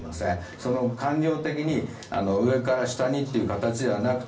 その官僚的に上から下にという形ではなくて